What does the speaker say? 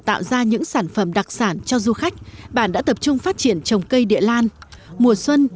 tạo ra những sản phẩm đặc sản cho du khách bản đã tập trung phát triển trồng cây địa lan mùa xuân